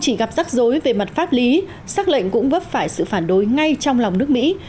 chỉ gặp rắc rối về mặt pháp lý xác lệnh cũng vấp phải sự phản đối ngay trong lòng nước mỹ